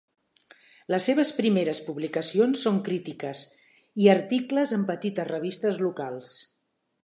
Les seves primeres publicacions són crítiques i articles en petites revistes locals.